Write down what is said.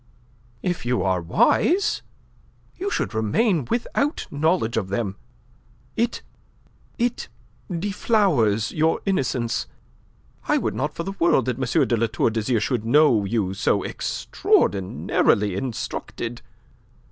"If you are wise. You should remain without knowledge of them. It... it deflowers your innocence. I would not for the world that M. de La Tour d'Azyr should know you so extraordinarily instructed.